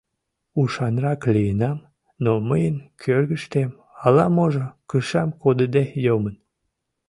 Ушанрак лийынам, но мыйын кӧргыштем ала-можо кышам кодыде йомын.